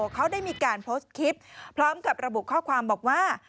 เขาได้มีการโพสต์คลิปพร้อมกับระบุข้อความบอกว่า